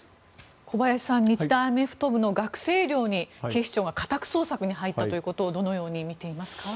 小林さん日大アメフト部の学生寮に、警視庁が家宅捜索に入ったということをどのように見ていますか？